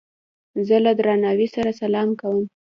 زه له درناوي سره سلام کوم.